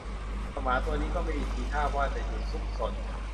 เจ้าหมาตัวนี้ก็ไม่มีทีท่าว่าจะหยุดซุกซน